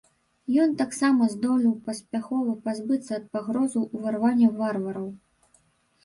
Ён таксама здолеў паспяхова пазбыцца ад пагрозы ўварвання варвараў.